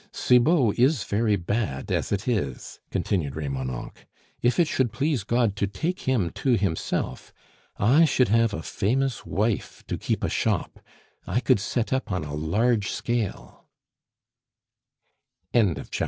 "Cibot is very bad as it is," continued Remonencq; "if it should please God to take him to Himself, I should have a famous wife to keep a shop; I could set up on a large scale " "Good day, M.